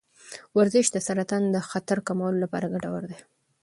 ورزش د سرطان د خطر کمولو لپاره ګټور دی.